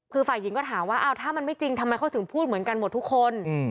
คือฝ่ายหญิงก็ถามว่าถ้ามันไม่จริงทำไมเขาถึงพูดเหมือนกันหมดทุกคน